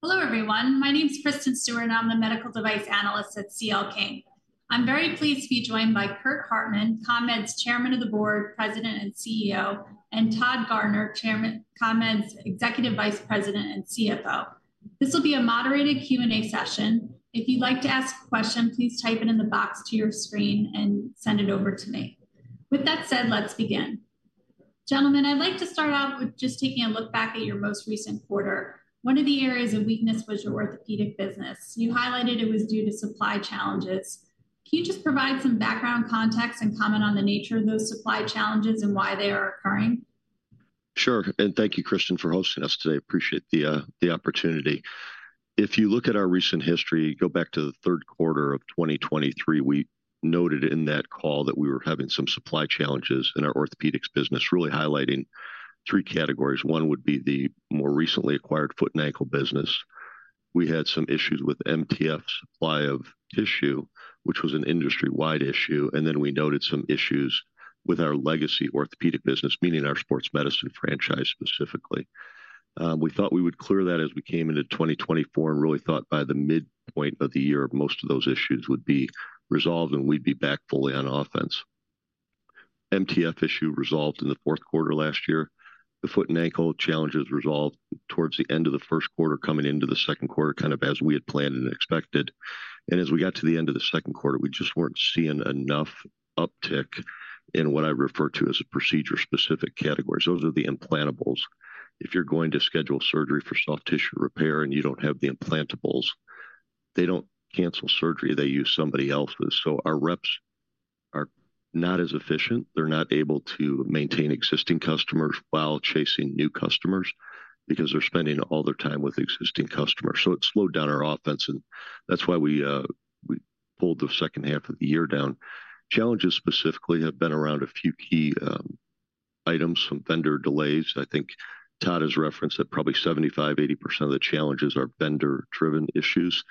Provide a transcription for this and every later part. Hello, everyone. My name is Kristen Stewart, and I'm the medical device analyst at CL King. I'm very pleased to be joined by Curt Hartman, ConMed's Chairman of the Board, President, and CEO, and Todd Garner, Chairman-- ConMed's Executive Vice President and CFO. This will be a moderated Q&A session. If you'd like to ask a question, please type it in the box to your screen and send it over to me. With that said, let's begin. Gentlemen, I'd like to start off with just taking a look back at your most recent quarter. One of the areas of weakness was your orthopedic business. You highlighted it was due to supply challenges. Can you just provide some background context and comment on the nature of those supply challenges and why they are occurring? Sure, and thank you, Kristen, for hosting us today. Appreciate the opportunity. If you look at our recent history, go back to the third quarter of 2023, we noted in that call that we were having some supply challenges in our orthopedics business, really highlighting three categories. One would be the more recently acquired foot and ankle business. We had some issues with MTF's supply of tissue, which was an industry-wide issue. And then we noted some issues with our legacy orthopedic business, meaning our sports medicine franchise, specifically. We thought we would clear that as we came into 2024 and really thought by the midpoint of the year, most of those issues would be resolved, and we'd be back fully on offense. MTF issue resolved in the fourth quarter last year. The foot and ankle challenges resolved towards the end of the first quarter, coming into the second quarter, kind of as we had planned and expected, and as we got to the end of the second quarter, we just weren't seeing enough uptick in what I refer to as a procedure-specific categories. Those are the implantables. If you're going to schedule surgery for soft tissue repair and you don't have the implantables, they don't cancel surgery, they use somebody else's, so our reps are not as efficient. They're not able to maintain existing customers while chasing new customers because they're spending all their time with existing customers, so it slowed down our offense, and that's why we pulled the second half of the year down. Challenges specifically have been around a few key items, some vendor delays. I think Todd has referenced that probably 75%-80% of the challenges are vendor-driven issues.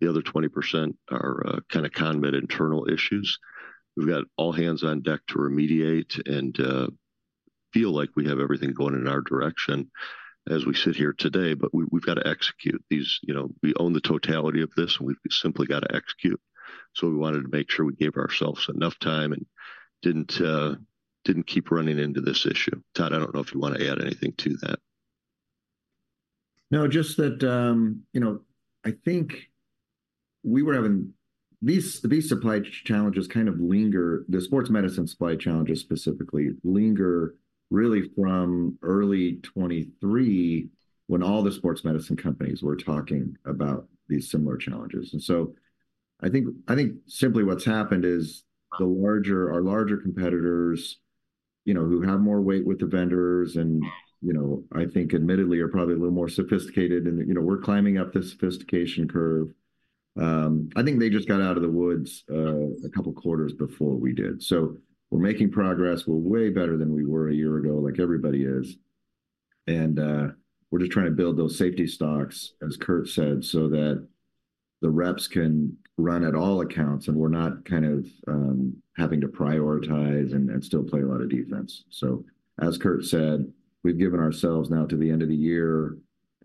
The other 20% are kind of ConMed internal issues. We've got all hands-on deck to remediate and feel like we have everything going in our direction as we sit here today, but we, we've got to execute these, you know, we own the totality of this, and we've simply got to execute. So, we wanted to make sure we gave ourselves enough time and didn't keep running into this issue. Todd, I don't know if you want to add anything to that. No, just that, you know, I think we were having... These supply challenges kind of linger, the sports medicine supply challenges specifically, linger really from early 2023, when all the sports medicine companies were talking about these similar challenges. And so, I think simply what's happened is the larger, our larger competitors, you know, who have more weight with the vendors and, you know, I think admittedly are probably a little more sophisticated and, you know, we're climbing up the sophistication curve. I think they just got out of the woods, a couple of quarters before we did. So we're making progress. We're way better than we were a year ago, like everybody is. We're just trying to build those safety stocks, as Curt said, so that the reps can run at all accounts, and we're not kind of having to prioritize and still play a lot of defenses. So, as Curt said, we've given ourselves now to the end of the year,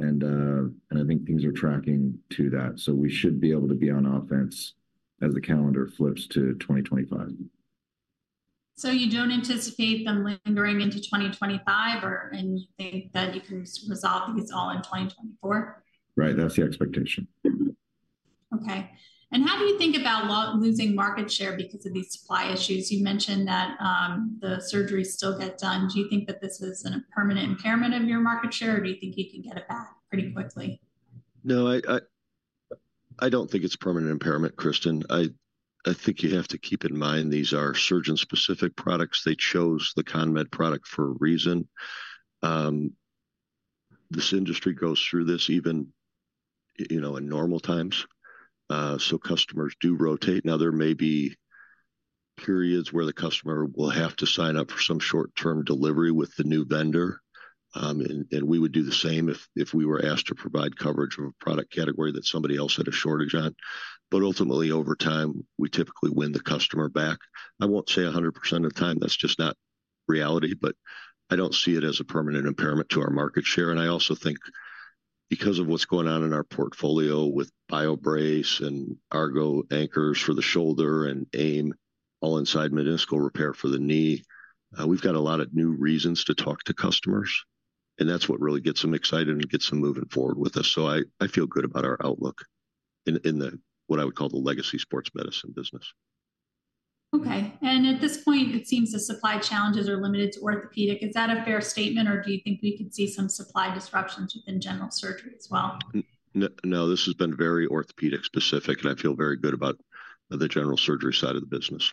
and I think things are tracking to that, so we should be able to be on offense as the calendar flips to 2025. You don't anticipate them lingering into 2025 or and you think that you can resolve these all in 2024? Right. That's the expectation. Okay. And how do you think about losing market share because of these supply issues? You mentioned that the surgeries still get done. Do you think that this is a permanent impairment of your market share, or do you think you can get it back pretty quickly? No, I don't think it's a permanent impairment, Kristen. I think you have to keep in mind, these are surgeon-specific products. They chose the ConMed product for a reason. This industry goes through this even, you know, in normal times, so customers do rotate. Now, there may be periods where the customer will have to sign up for some short-term delivery with the new vendor. And we would do the same if we were asked to provide coverage of a product category that somebody else had a shortage on. But ultimately, over time, we typically win the customer back. I won't say 100% of the time, that's just not reality, but I don't see it as a permanent impairment to our market share. And I also think because of what's going on in our portfolio with BioBrace and Argo anchors for the shoulder and aim, all inside meniscal repair for the knee, we've got a lot of new reasons to talk to customers, and that's what really gets them excited and gets them moving forward with us. So, I feel good about our outlook in the, what I would call the legacy sports medicine business. Okay. And at this point, it seems the supply challenges are limited to orthopedic. Is that a fair statement, or do you think we could see some supply disruptions within general surgery as well? No, this has been very orthopedic specific, and I feel very good about the general surgery side of the business.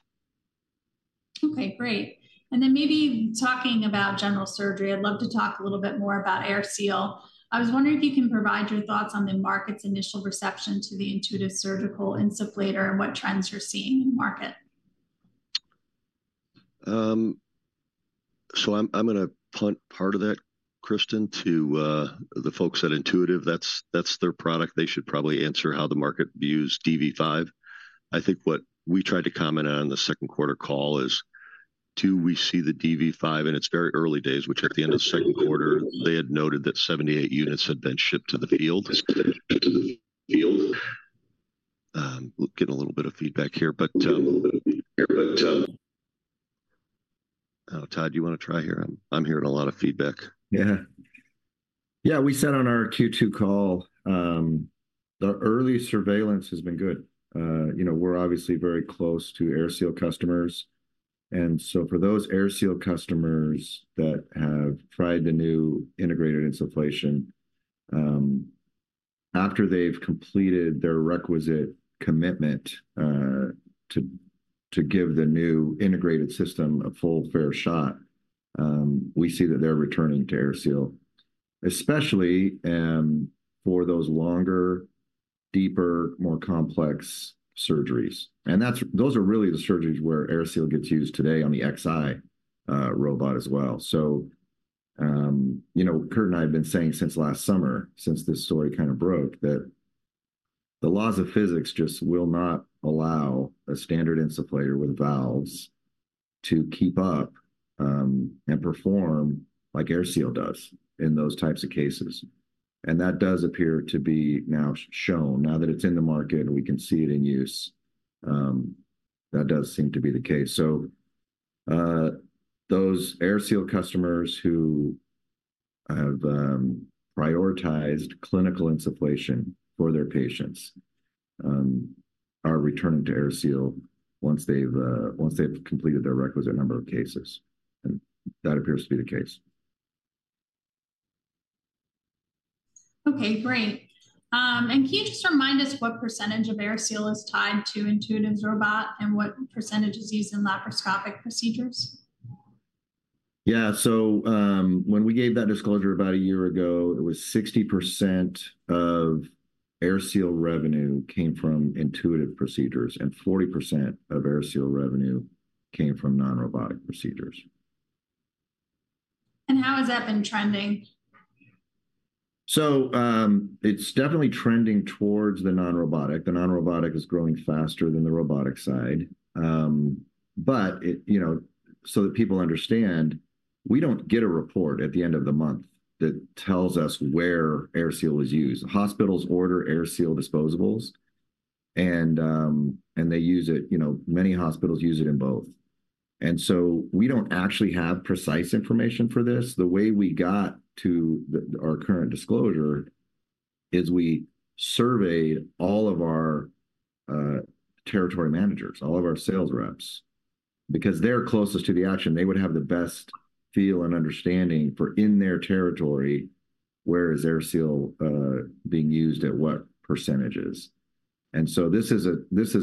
Okay, great. And then maybe talking about general surgery, I'd love to talk a little bit more about AirSeal. I was wondering if you can provide your thoughts on the market's initial reception to the Intuitive Surgical insufflator and what trends you're seeing in the market? So I'm going to punt part of that, Kristen, to the folks at Intuitive. That's their product. They should probably answer how the market views DV5. I think what we tried to comment on in the second quarter call is, do we see the DV5 in its very early days, which at the end of the second quarter, they had noted that 78 units had been shipped to the field? We're getting a little bit of feedback here. But, oh, Todd, do you want to try here? I'm hearing a lot of feedback. Yeah. Yeah, we said on our Q2 call, the early surveillance has been good. You know, we're obviously very close to AirSeal customers, and so for those AirSeal customers that have tried the new integrated insufflation, after they've completed their requisite commitment, to give the new integrated system a full fair shot, we see that they're returning to AirSeal, especially, for those longer, deeper, more complex surgeries. And that's. Those are really the surgeries where AirSeal gets used today on the Xi robot as well. So, you know, Curt and I have been saying since last summer, since this story kind of broke, that the laws of physics just will not allow a standard insufflator with valves to keep up, and perform like AirSeal does in those types of cases. And that does appear to be now shown. Now that it's in the market and we can see it in use, that does seem to be the case. Those AirSeal customers who have prioritized clinical insufflation for their patients are returning to AirSeal once they've completed their requisite number of cases, and that appears to be the case. Okay, great, and can you just remind us what percentage of AirSeal is tied to Intuitive's robot and what percentage is used in laparoscopic procedures? Yeah. So, when we gave that disclosure about a year ago, it was 60% of AirSeal revenue came from Intuitive procedures, and 40% of AirSeal revenue came from non-robotic procedures. How has that been trending? It's definitely trending towards the non-robotic. The non-robotic is growing faster than the robotic side. But it, you know, so that people understand, we don't get a report at the end of the month that tells us where AirSeal is used. Hospitals order AirSeal disposables, and they use it, you know, many hospitals use it in both, and so we don't actually have precise information for this. The way we got to our current disclosure is we surveyed all of our territory managers, all of our sales reps, because they're closest to the action. They would have the best feel and understanding for in their territory, where is AirSeal being used, at what percentages? And so, this is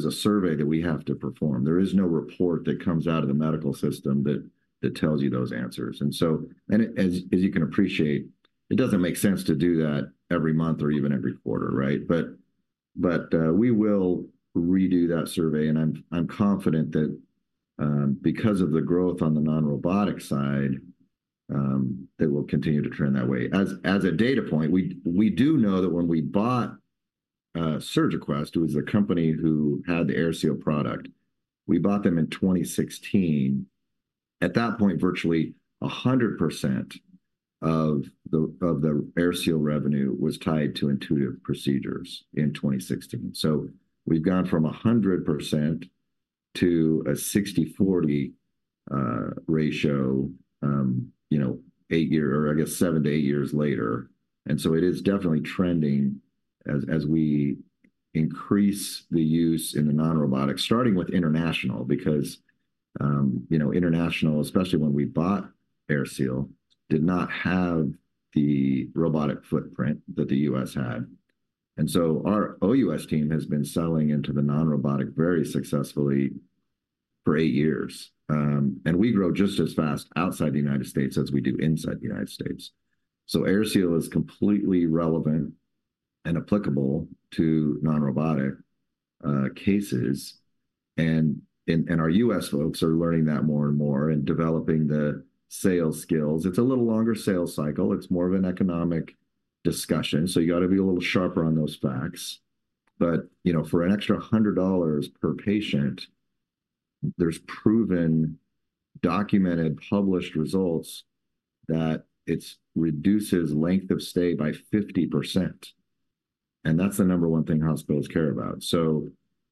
a survey that we have to perform. There is no report that comes out of the medical system that tells you those answers. And so, as you can appreciate, it doesn't make sense to do that every month or even every quarter, right? But we will redo that survey, and I'm confident that because of the growth on the non-robotic side, it will continue to trend that way. As a data point, we do know that when we bought SurgiQuest, it was the company who had the AirSeal product. We bought them in 2016. At that point, virtually 100% of the AirSeal revenue was tied to Intuitive procedures in 2016. So, we've gone from 100% to a 60/40 ratio, you know, eight-year, or I guess seven to eight years later. And so, it is definitely trending as we increase the use in the non-robotic, starting with international, because you know, international, especially when we bought AirSeal, did not have the robotic footprint that the U.S. had. And so, our OUS team has been selling into the non-robotic very successfully for eight years. And we grow just as fast outside the United States as we do inside the United States. So AirSeal is completely relevant and applicable to non-robotic cases, and our U.S. folks are learning that more and more and developing the sales skills. It's a little longer sales cycle. It's more of an economic discussion, so you got to be a little sharper on those facts. But, you know, for an extra $100 per patient, there's proven, documented, published results that it reduces length of stay by 50%, and that's the number one thing hospitals care about. So,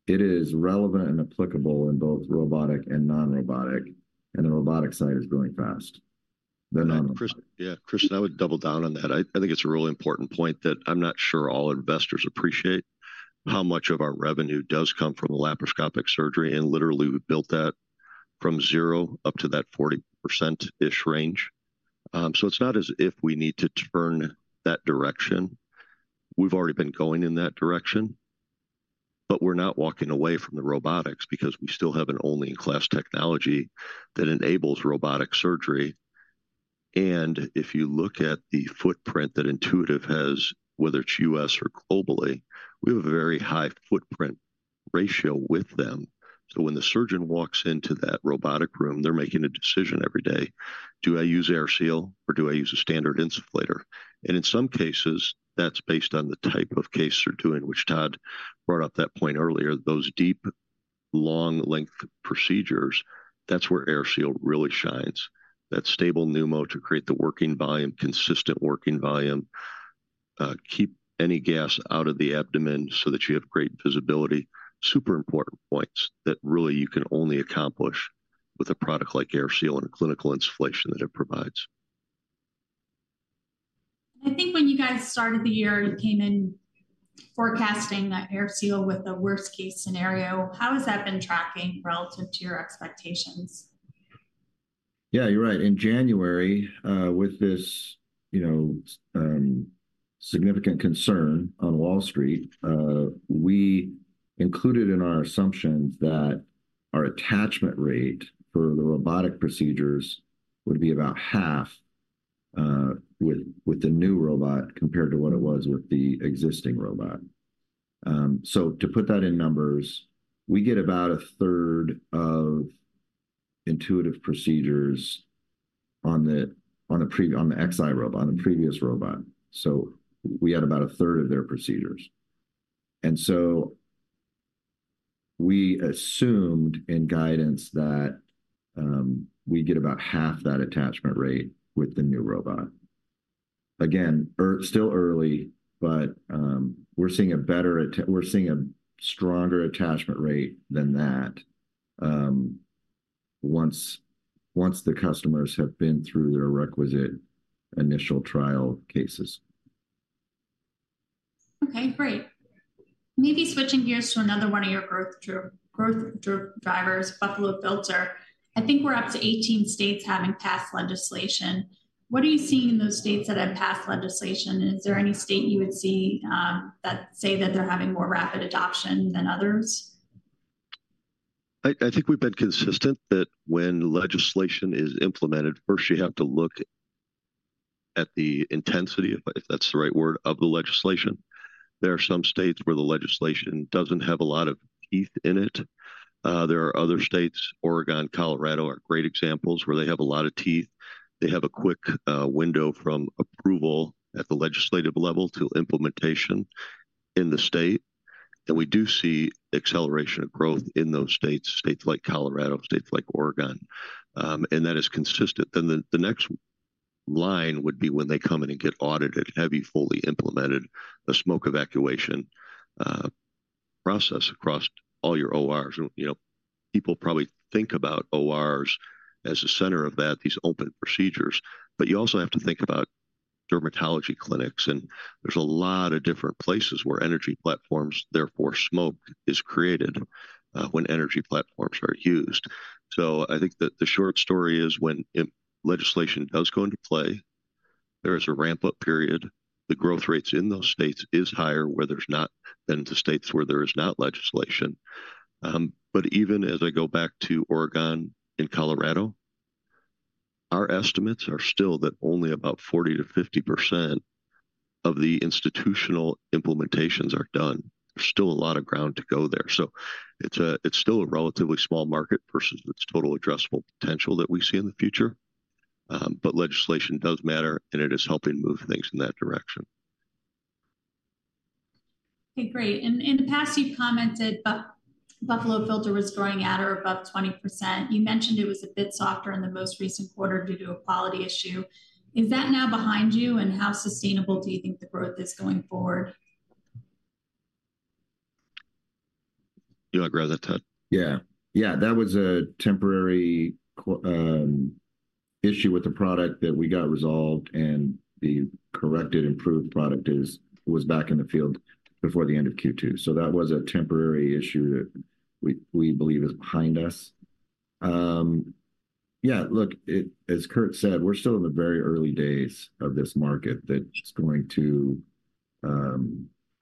it is relevant and applicable in both robotic and non-robotic, and the robotic side is growing faster than non-robotic. Yeah, Kristen, I would double down on that. I think it's a really important point that I'm not sure all investors appreciate how much of our revenue does come from the laparoscopic surgery, and literally, we built that from zero up to that 40%-ish range. So, it's not as if we need to turn that direction. We've already been going in that direction, but we're not walking away from the robotics because we still have a best-in-class technology that enables robotic surgery. And if you look at the footprint that Intuitive has, whether it's U.S. or globally, we have a very high footprint ratio with them. So, when the surgeon walks into that robotic room, they're making a decision every day: Do I use AirSeal or do I use a standard insufflator? In some cases, that's based on the type of case they're doing, which Todd brought up that point earlier, those long length procedures, that's where AirSeal really shines. That stable pneumo to create the working volume, consistent working volume, keep any gas out of the abdomen so that you have great visibility. Super important points that really you can only accomplish with a product like AirSeal and a clinical insufflation that it provides. I think when you guys started the year, you came in forecasting that AirSeal with the worst case scenario. How has that been tracking relative to your expectations? Yeah, you're right. In January, with this, you know, significant concern on Wall Street, we included in our assumptions that our attachment rate for the robotic procedures would be about half, with the new robot compared to what it was with the existing robot. So, to put that in numbers, we get about a third of Intuitive procedures on the Xi robot, on the previous robot. So, we had about a third of their procedures. And so, we assumed in guidance that, we'd get about half that attachment rate with the new robot. Again, still early, but we're seeing a stronger attachment rate than that, once the customers have been through their requisite initial trial cases. Okay, great. Maybe switching gears to another one of your growth drivers, Buffalo Filter. I think we're up to eighteen states having passed legislation. What are you seeing in those states that have passed legislation, and is there any state you would see that say that they're having more rapid adoption than others? I think we've been consistent that when legislation is implemented, first you have to look at the intensity, if that's the right word, of the legislation. There are some states where the legislation doesn't have a lot of teeth in it. There are other states, Oregon, Colorado, are great examples, where they have a lot of teeth. They have a quick window from approval at the legislative level to implementation in the state, and we do see acceleration of growth in those states, states like Colorado, states like Oregon. And that is consistent. Then the next line would be when they come in and get audited, have you fully implemented the smoke evacuation process across all your ORs? You know, people probably think about ORs as the center of that, these open procedures, but you also have to think about dermatology clinics, and there's a lot of different places where energy platforms, therefore smoke, is created when energy platforms are used. So, I think that the short story is when legislation does go into play, there is a ramp-up period. The growth rates in those states is higher where there's not than the states where there is not legislation. But even as I go back to Oregon and Colorado, our estimates are still that only about 40%-50% of the institutional implementations are done. There's still a lot of ground to go there. So, it's still a relatively small market versus its total addressable potential that we see in the future. But legislation does matter, and it is helping move things in that direction. Okay, great. In the past, you've commented Buffalo Filter was growing at or above 20%. You mentioned it was a bit softer in the most recent quarter due to a quality issue. Is that now behind you, and how sustainable do you think the growth is going forward? You would rather Todd? Yeah. Yeah, that was a temporary issue with the product that we got resolved, and the corrected, improved product is, was back in the field before the end of Q2. So that was a temporary issue that we, we believe is behind us. Yeah, look, as Curt said, we're still in the very early days of this market that's going to.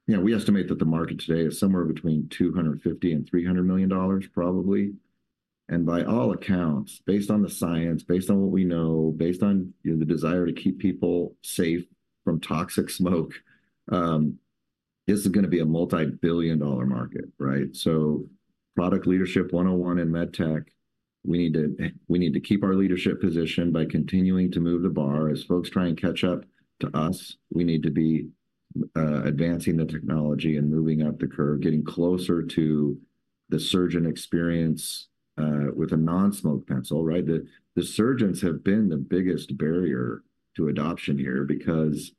You know, we estimate that the market today is somewhere between $250 million and $300 million, probably. And by all accounts, based on the science, based on what we know, based on the desire to keep people safe from toxic smoke, this is gonna be a multi-billion-dollar market, right? So, product leadership one on one in med tech, we need to, we need to keep our leadership position by continuing to move the bar. As folks try and catch up to us, we need to be advancing the technology and moving up the curve, getting closer to the surgeon experience with a non-smoke pencil, right? The surgeons have been the biggest barrier to adoption here because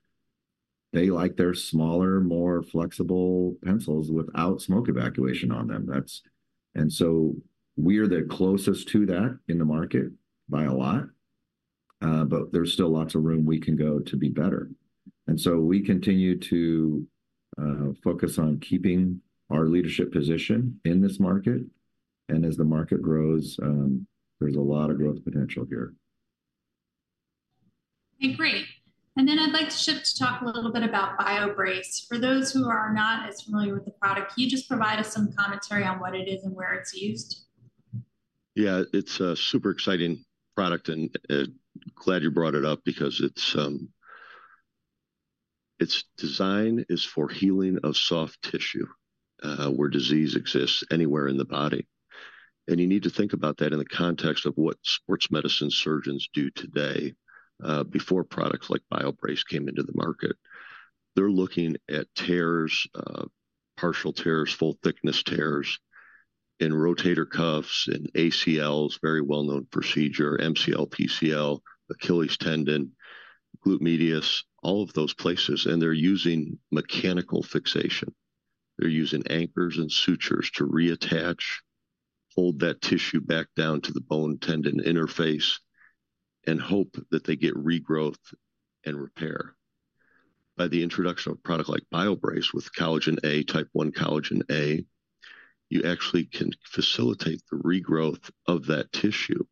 they like their smaller, more flexible pencils without smoke evacuation on them. That's, and so we're the closest to that in the market by a lot, but there's still lots of room we can go to be better. And so we continue to focus on keeping our leadership position in this market, and as the market grows, there's a lot of growth potential here. Okay, great. And then I'd like to shift to talk a little bit about BioBrace. For those who are not as familiar with the product, can you just provide us some commentary on what it is and where it's used? Yeah, it's a super exciting product, and glad you brought it up because its design is for healing of soft tissue, where disease exists anywhere in the body. You need to think about that in the context of what sports medicine surgeons do today, before products like BioBrace came into the market. They're looking at tears, partial tears, full thickness tears in rotator cuffs, in ACLs, very well-known procedure, MCL, PCL, Achilles tendon, glute medius, all of those places, and they're using mechanical fixation. They're using anchors and sutures to reattach, hold that tissue back down to the bone tendon interface, and hope that they get regrowth and repair. By the introduction of a product like BioBrace with type I collagen, type I collagen, you actually can facilitate the regrowth of that tissue,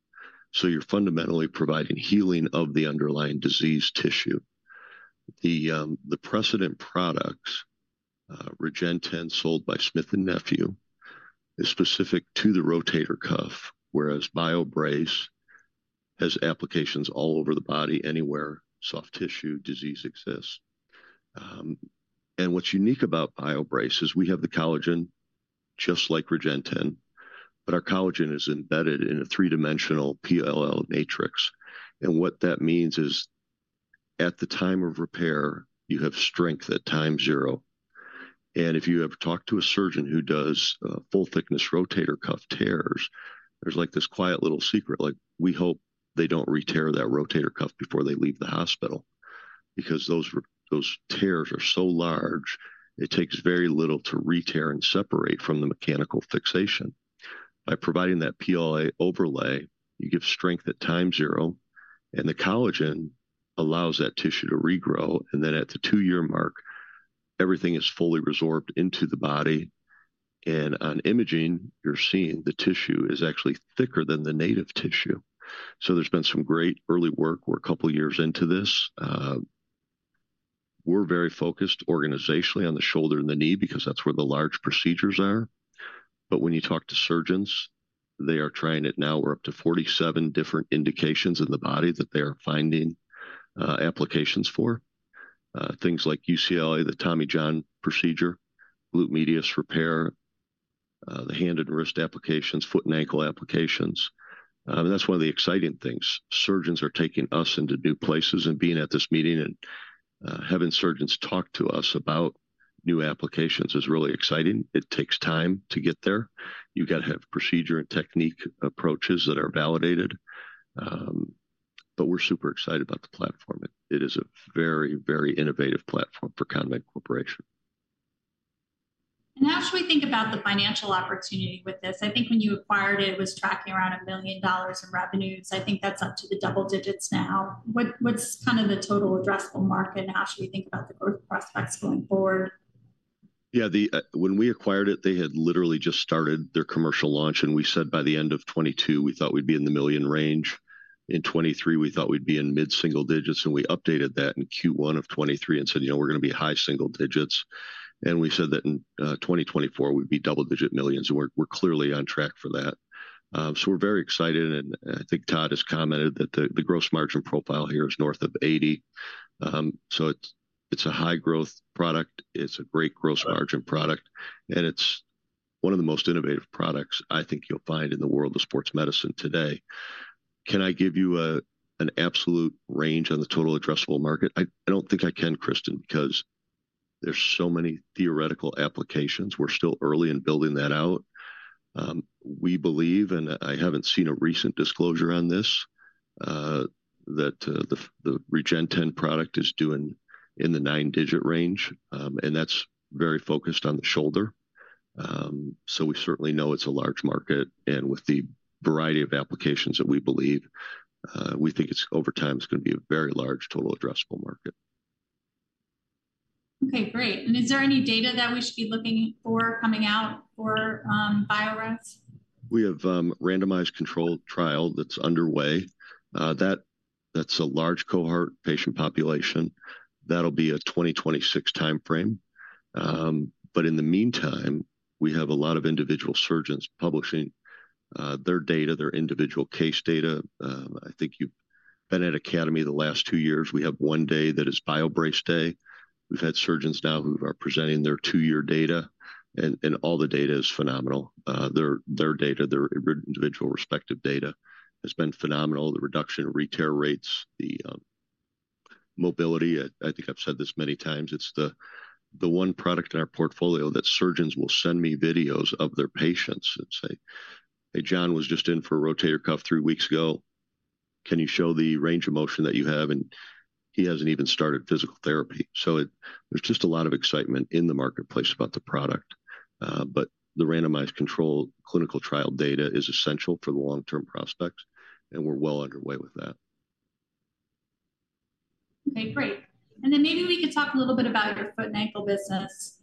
so you're fundamentally providing healing of the underlying disease tissue. The, the precedent products, Regeneten, sold by Smith+Nephew, is specific to the rotator cuff, whereas BioBrace has applications all over the body, anywhere soft tissue disease exists. And what's unique about BioBrace is we have the collagen, just like Regeneten, but our collagen is embedded in a three-dimensional PLLA matrix, and what that means is, at the time of repair, you have strength at time zero, and if you have talked to a surgeon who does full thickness rotator cuff tears, there's, like, this quiet little secret, like, we hope they don't re-tear that rotator cuff before they leave the hospital, because those tears are so large, it takes very little to re-tear and separate from the mechanical fixation. By providing that PLA overlay, you give strength at time zero, and the collagen allows that tissue to regrow, and then at the two-year mark, everything is fully resorbed into the body, and on imaging, you're seeing the tissue is actually thicker than the native tissue. So, there's been some great early work. We're a couple of years into this. We're very focused organizationally on the shoulder and the knee because that's where the large procedures are. But when you talk to surgeons, they are trying it now. We're up to 47 different indications in the body that they are finding applications for, things like UCL, the Tommy John procedure, glute medius repair, the hand and wrist applications, foot and ankle applications. That's one of the exciting things. Surgeons are taking us into new places and being at this meeting and having surgeons talk to us about new applications is really exciting. It takes time to get there. You've got to have procedure and technique approaches that are validated. But we're super excited about the platform. It is a very, very innovative platform for ConMed Corporation. And how should we think about the financial opportunity with this? I think when you acquired it, it was tracking around $1 million in revenues. I think that's up to the double digits now. What, what's kind of the total addressable market, and how should we think about the growth prospects going forward? Yeah, when we acquired it, they had literally just started their commercial launch, and we said by the end of 2022, we thought we'd be in the million range. In 2023, we thought we'd be in mid-single digits, and we updated that in Q1 of 2023 and said, "You know, we're going to be high single digits." And we said that in 2024, we'd be double-digit millions, and we're clearly on track for that. So, we're very excited, and I think Todd has commented that the gross margin profile here is north of 80%. So, it's a high-growth product, it's a great gross margin product, and it's one of the most innovative products I think you'll find in the world of sports medicine today. Can I give you an absolute range on the total addressable market? I don't think I can, Kristen, because there's so many theoretical applications. We're still early in building that out. We believe, and I haven't seen a recent disclosure on this, the Regeneten product is doing in the nine-digit range, and that's very focused on the shoulder. So, we certainly know it's a large market, and with the variety of applications that we believe, we think it's, over time, it's going to be a very large total addressable market. Okay, great. And is there any data that we should be looking for coming out for BioBrace? We have a randomized controlled trial that's underway. That's a large cohort patient population. That'll be a 2026 timeframe. But in the meantime, we have a lot of individual surgeons publishing their data, their individual case data. I think you've been at Academy the last two years. We have one day that is BioBrace day. We've had surgeons now who are presenting their two-year data, and all the data is phenomenal. Their data, their individual respective data has been phenomenal, the reduction in re-tear rates, the mobility. I think I've said this many times, it's the one product in our portfolio that surgeons will send me videos of their patients and say, "Hey, John was just in for a rotator cuff three weeks ago. Can you show the range of motion that you have? And he hasn't even started physical therapy." So, there's just a lot of excitement in the marketplace about the product, but the randomized control clinical trial data is essential for the long-term prospects, and we're well underway with that. Okay, great. And then maybe we could talk a little bit about your foot and ankle business.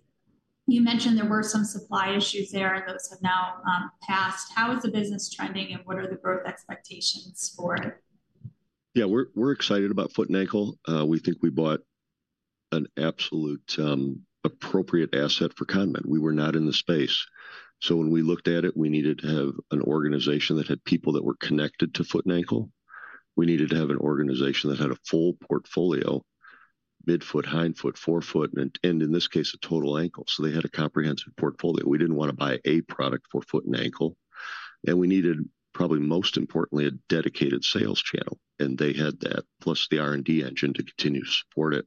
You mentioned there were some supply issues there, and those have now passed. How is the business trending, and what are the growth expectations for it? Yeah, we're excited about Foot and Ankle. We think we bought an absolutely appropriate asset for ConMed. We were not in the space, so when we looked at it, we needed to have an organization that had people that were connected to Foot and Ankle. We needed to have an organization that had a full portfolio. midfoot, hindfoot, forefoot, and in this case, a total ankle. So, they had a comprehensive portfolio. We didn't want to buy a product for foot and ankle, and we needed, probably most importantly, a dedicated sales channel, and they had that, plus the R&D engine to continue to support it,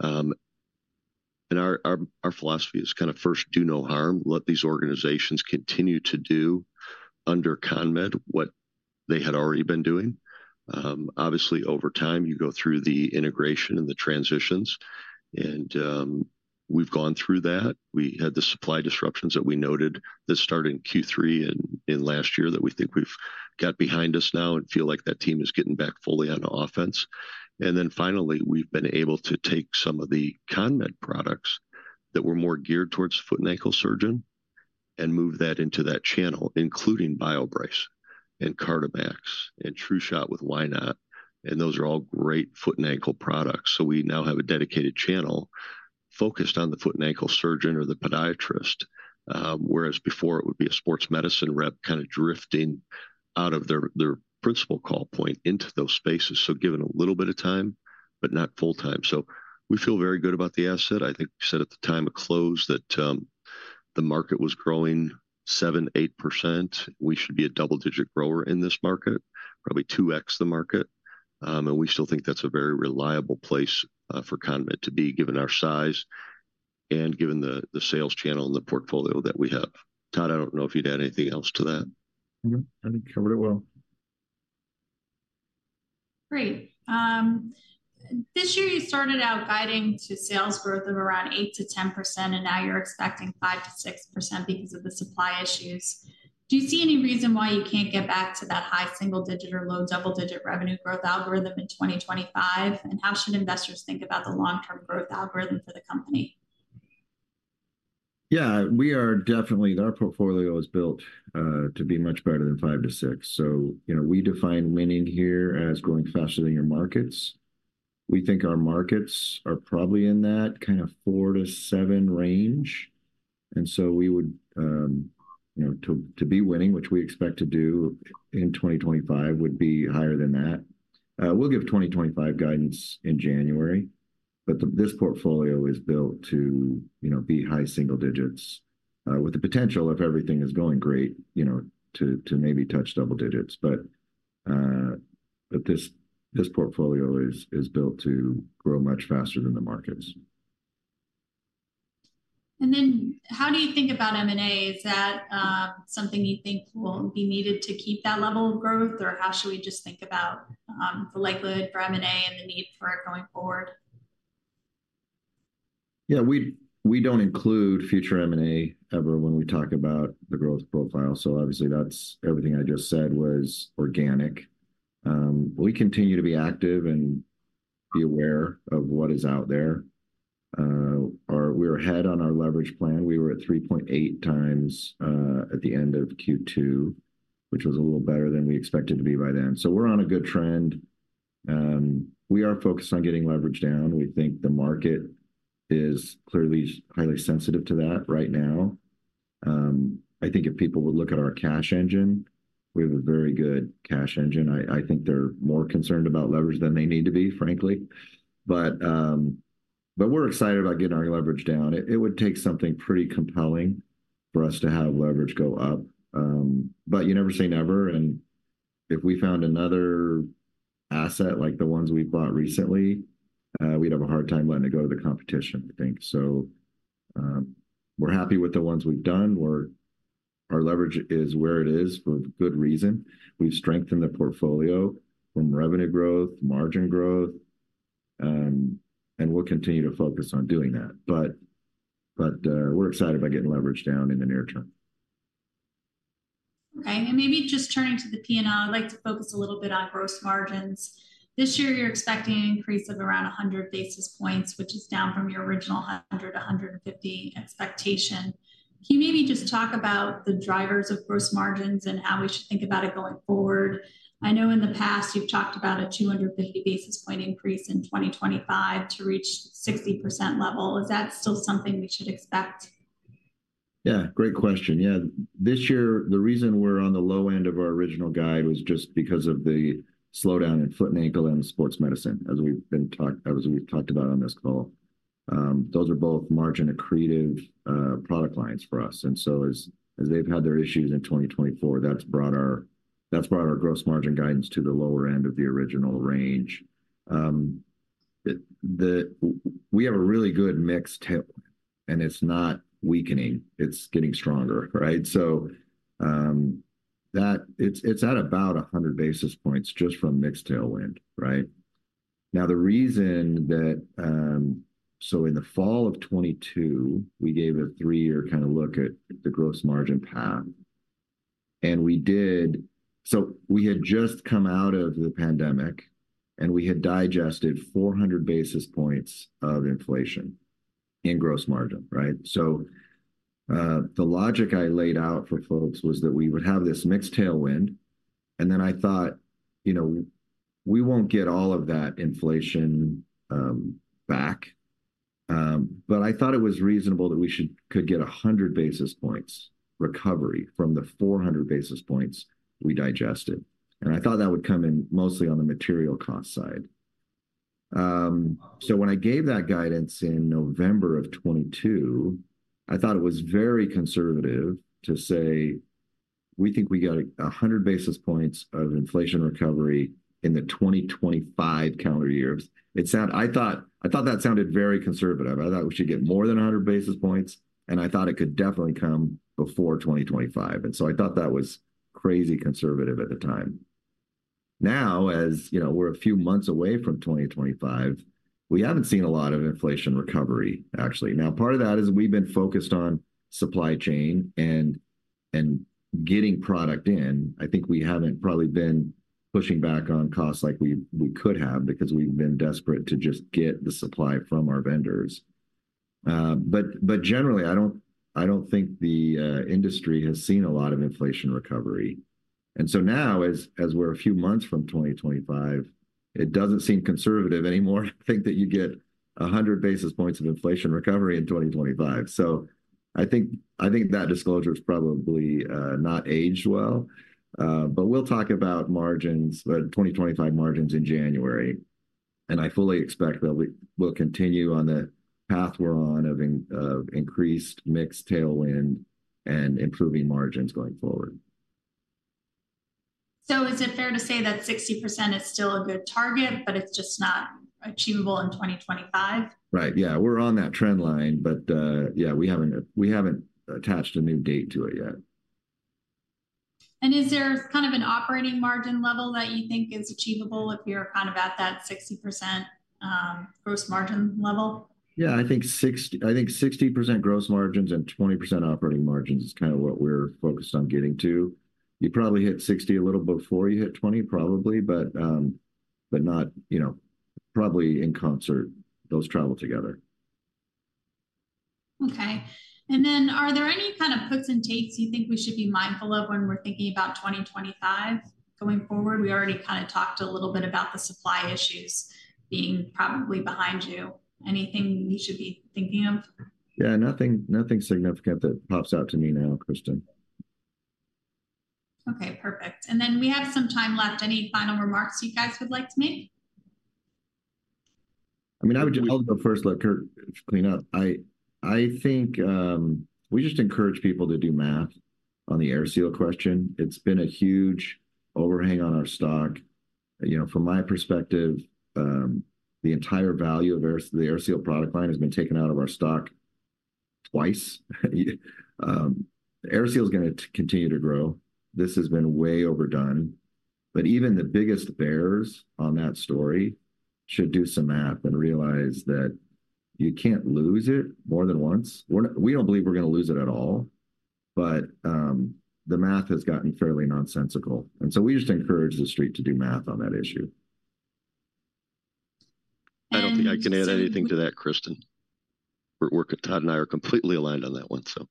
and our philosophy is kind of first, do no harm. Let these organizations continue to do under ConMed what they had already been doing. Obviously, over time, you go through the integration and the transitions, and we've gone through that. We had the supply disruptions that we noted that started in Q3 in last year, that we think we've got behind us now and feel like that team is getting back fully on offense. And then finally, we've been able to take some of the ConMed products that were more geared towards foot and ankle surgeon and move that into that channel, including BioBrace and CartiMax and TruShot with Y-Knot, and those are all great foot and ankle products. So, we now have a dedicated channel focused on the foot and ankle surgeon or the podiatrist, whereas before it would be a sports medicine rep kind of drifting out of their principal call point into those spaces, so given a little bit of time, but not full-time. So, we feel very good about the asset. I think we said at the time of close that the market was growing 7%-8%. We should be a double-digit grower in this market, probably 2x the market. And we still think that's a very reliable place for ConMed to be, given our size and given the sales channel and the portfolio that we have. Todd, I don't know if you'd add anything else to that. No, I think you covered it well. Great. This year you started out guiding to sales growth of around 8%-10%, and now you're expecting 5%-6% because of the supply issues. Do you see any reason why you can't get back to that high single-digit or low double-digit revenue growth algorithm in 2025? And how should investors think about the long-term growth algorithm for the company? Yeah, we are definitely our portfolio is built to be much better than five to six. So, you know, we define winning here as growing faster than your markets. We think our markets are probably in that kind of four to seven range, and so we would, you know, to be winning, which we expect to do in 2025, would be higher than that. We'll give 2025 guidance in January, but this portfolio is built to, you know, be high single digits with the potential, if everything is going great, you know, to maybe touch double digits. But this portfolio is built to grow much faster than the markets. And then how do you think about M&A? Is that something you think will be needed to keep that level of growth, or how should we just think about the likelihood for M&A and the need for it going forward? Yeah, we don't include future M&A ever when we talk about the growth profile, so obviously, that's everything I just said was organic. We continue to be active and be aware of what is out there. We're ahead on our leverage plan. We were at 3.8 times at the end of Q2, which was a little better than we expected to be by then. So, we're on a good trend. We are focused on getting leverage down. We think the market is clearly highly sensitive to that right now. I think if people would look at our cash engine, we have a very good cash engine. I think they're more concerned about leverage than they need to be, frankly. But we're excited about getting our leverage down. It would take something pretty compelling for us to have leverage go up, but you never say never, and if we found another asset, like the ones we've bought recently, we'd have a hard time letting it go to the competition, I think. So, we're happy with the ones we've done, where our leverage is where it is for good reason. We've strengthened the portfolio from revenue growth, margin growth, and we'll continue to focus on doing that. But we're excited about getting leverage down in the near term. Okay, and maybe just turning to the P&L, I'd like to focus a little bit on gross margins. This year, you're expecting an increase of around 100 basis points, which is down from your original 100, 150 expectations. Can you maybe just talk about the drivers of gross margins and how we should think about it going forward? I know in the past you've talked about a 250-basis point increase in 2025 to reach 60% level. Is that still something we should expect? Yeah, great question. Yeah, this year, the reason we're on the low end of our original guide was just because of the slowdown in foot and ankle and sports medicine, as we've talked about on this call. Those are both margin-accretive product lines for us, and so as they've had their issues in 2024, that's brought our gross margin guidance to the lower end of the original range. We have a really good mix tailwind, and it's not weakening, it's getting stronger, right? So that it's at about a hundred basis points just from mix tailwind, right? Now, the reason that... So, in the fall of 2022, we gave a three-year kind of look at the gross margin path, and we did. So we had just come out of the pandemic, and we had digested four hundred basis points of inflation in gross margin, right? So, the logic I laid out for folks was that we would have this mix tailwind, and then I thought, you know, we won't get all of that inflation, back. But I thought it was reasonable that we could get a hundred basis points recovery from the four hundred basis points we digested, and I thought that would come in mostly on the material cost side. So, when I gave that guidance in November of 2022, I thought it was very conservative to say, "We think we got a hundred basis points of inflation recovery in the twenty twenty-five calendar year." I thought that sounded very conservative. I thought we should get more than a hundred basis points, and I thought it could definitely come before twenty twenty-five, and so I thought that was crazy conservative at the time. Now, as you know, we're a few months away from twenty twenty-five, we haven't seen a lot of inflation recovery, actually. Now, part of that is we've been focused on supply chain and getting product in. I think we haven't probably been pushing back on costs like we could have, because we've been desperate to just get the supply from our vendors. Generally, I don't think the industry has seen a lot of inflation recovery. Now, as we're a few months from 2025, it doesn't seem conservative anymore to think that you'd get 100 basis points of inflation recovery in 2025. I think that disclosures probably not aged well. We'll talk about margins, the 2025 margins in January, and I fully expect that we will continue on the path we're on of increased mix tailwind and improving margins going forward. Is it fair to say that 60% is still a good target, but it's just not achievable in 2025? Right. Yeah, we're on that trend line, but, yeah, we haven't attached a new date to it yet. Is there kind of an operating margin level that you think is achievable if you're kind of at that 60% gross margin level? Yeah, I think 60% gross margins and 20% operating margins is kind of what we're focused on getting to. You'd probably hit 60 a little before you hit 20, probably, but not, you know... Probably in concert, those travel together. Okay. And then, are there any kind of puts and takes you think we should be mindful of when we're thinking about 2025 going forward? We already kind of talked a little bit about the supply issues being probably behind you. Anything we should be thinking of? Yeah, nothing, nothing significant that pops out to me now, Kristen. Okay, perfect. And then we have some time left. Any final remarks you guys would like to make? I mean, I would just... I'll go first. Let Curt clean up. I think, we just encourage people to do math on the AirSeal question. It's been a huge overhang on our stock. You know, from my perspective, the entire value of Air- the AirSeal product line has been taken out of our stock twice. AirSeal's gonna continue to grow. This has been way overdone, but even the biggest bears on that story should do some math and realize that you can't lose it more than once. We don't believe we're gonna lose it at all, but the math has gotten fairly nonsensical, and so we just encourage the Street to do math on that issue. And- I don't think I can add anything to that, Kristen. Todd and I are completely aligned on that one, so...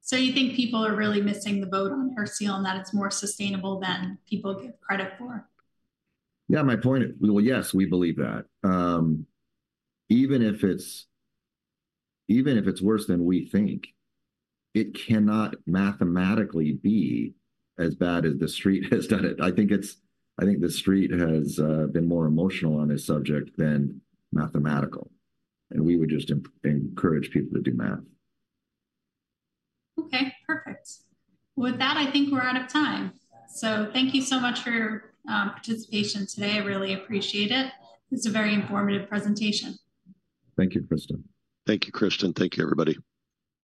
So, you think people are really missing the boat on AirSeal, and that it's more sustainable than people give credit for? Well, yes, we believe that. Even if it's worse than we think, it cannot mathematically be as bad as the Street has done it. I think the Street has been more emotional on this subject than mathematical, and we would just encourage people to do math. Okay, perfect. With that, I think we're out of time. So, thank you so much for your participation today. I really appreciate it. It's a very informative presentation. Thank you, Kristen. Thank you, Kristen. Thank you, everybody.